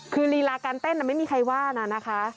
คือลีลาการเต้นไม่มีใครว่านะนะคะ